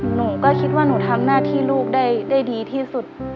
หนูก็คิดว่าหนูทำหน้าที่ลูกได้ดีที่สุด